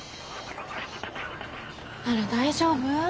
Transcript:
あら大丈夫？